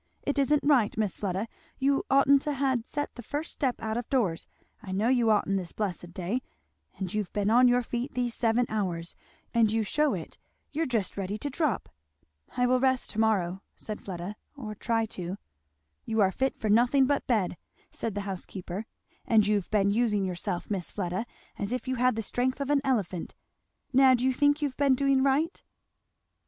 "It isn't right, Miss Fleda. You oughtn't to ha' set the first step out of doors, I know you oughtn't, this blessed day; and you've been on your feet these seven hours, and you shew it! You're just ready to drop." "I will rest to morrow," said Fleda, "or try to." "You are fit for nothing but bed," said the housekeeper, "and you've been using yourself, Miss Fleda, as if you had the strength of an elephant. Now do you think you've been doing right?"